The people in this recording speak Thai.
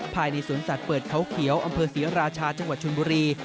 ภายในสวนสัตว์เปิดเขาเขียวอำเภอศรีราชาจังหวัดชนบุรี